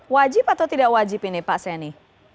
wajib atau tidak wajib ini pak seni